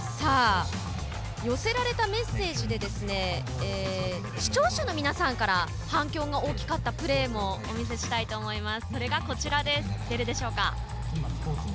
予選ステージで視聴者の皆さんから反響が大きかったプレーをお見せしたいと思います。